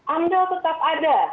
amdal tetap ada